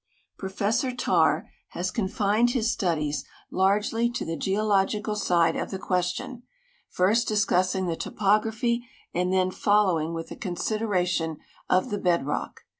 Professor Tarr has con lined his studies largely to the geological side of the question, first discuss ing the topography and then following with a consideration of the bed rock.